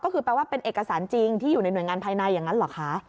ก็คือแปลว่าเป็นเอกสารจริงที่อยู่ในหน่วยงานภายในอย่างนั้นเหรอคะ